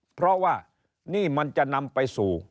เพราะว่านี่มันจะนำไปสู่